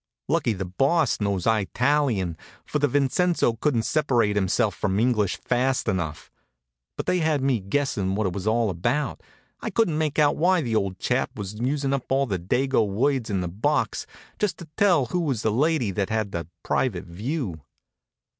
Lucky the Boss knows Eye talyun, for old Vincenzo couldn't separate himself from English fast enough. But they had me guessing what it was all about. I couldn't make out why the old chap had to use up all the dago words in the box just to tell who was the lady that had the private view.